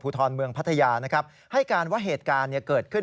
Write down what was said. ทรเมืองพัทยานะครับให้การว่าเหตุการณ์เกิดขึ้น